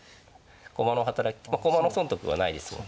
駒の働き駒の損得はないですもんね。